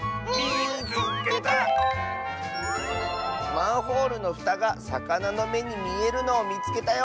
「マンホールのふたがさかなの『め』にみえるのをみつけたよ」。